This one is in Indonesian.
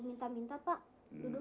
menjadi kemampuan anda